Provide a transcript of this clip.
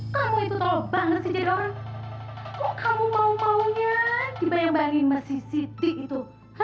kamu itu tolong banget sih jadwal kamu mau maunya gimana masih siti itu